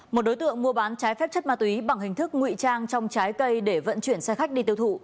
một đối tượng mua bán trái phép chất ma túy bằng hình thức nguy trang trong trái cây để vận chuyển xe khách đi tiêu thụ